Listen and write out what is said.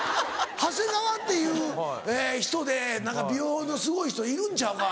ハセガワっていう人で美容のすごい人いるんちゃうか？